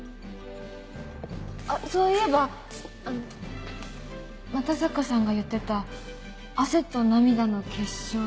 あっそういえば又坂さんが言ってた「汗と涙の結晶」